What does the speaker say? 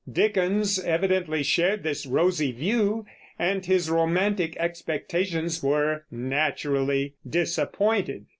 Dickens evidently shared this rosy view, and his romantic expectations were naturally disappointed.